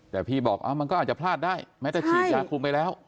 แต่พี่บอกมันก็อาจจะพลาดได้แม้แต่ฉีดยาคุมไปแล้ว